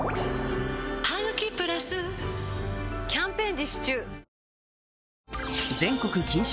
「ハグキプラス」キャンペーン実施中